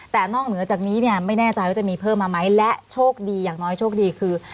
แต่นอกเหนือจากนี้เนี่ยไม่แน่ใจว่าจะมีเพิ่มมาไหมและโชคดีอย่างน้อยโชคดีคือ